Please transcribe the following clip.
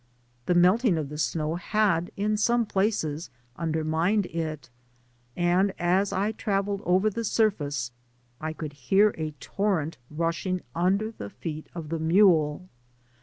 The melting of the snow had in some places undermined it, and as I travelled over the surface I could hear a torrent rushing under the feet of the mule.